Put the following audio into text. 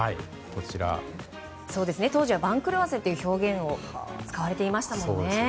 当時は番狂わせという表現が使われていましたもんね。